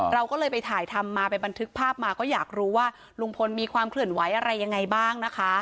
เราก็เลยไปถ่ายทำมาไปบันทึกภาพมาก็อยากรู้ว่าลุงพลมีความเคลื่อนไหวอะไรยังไงบ้างนะคะ